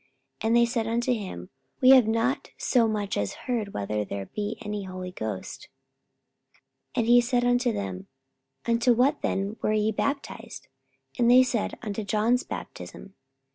And they said unto him, We have not so much as heard whether there be any Holy Ghost. 44:019:003 And he said unto them, Unto what then were ye baptized? And they said, Unto John's baptism.